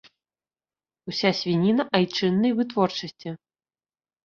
Уся свініна айчыннай вытворчасці.